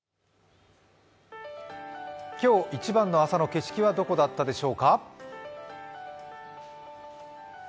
今日一番の朝の景色はどこだったでしょうか？